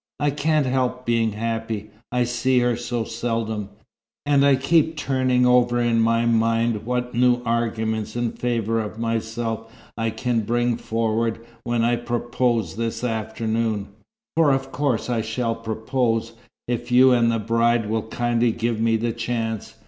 "I can't help being happy. I see her so seldom. And I keep turning over in my mind what new arguments in favour of myself I can bring forward when I propose this afternoon for of course I shall propose, if you and the bride will kindly give me the chance.